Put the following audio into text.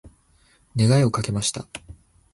願いをかけました。